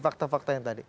fakta fakta yang tadi